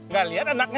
gak liat anaknya